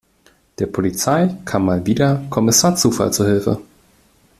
Der Polizei kam mal wieder Kommissar Zufall zur Hilfe.